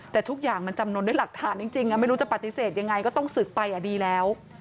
แต่ทุกอย่างมันจำนวนด้วยหลักฐานจริงไม่รู้จะปฏิเสธยังไงก็ต้องศึกไปดีแล้ว